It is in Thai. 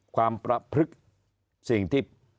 ความประพฤกษ์สิ่งที่